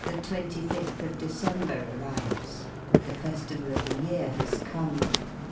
"] The 25th of December arrives. The festival of the year has come.